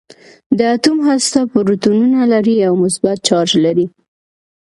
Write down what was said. د اتوم هسته پروتونونه لري او مثبت چارج لري.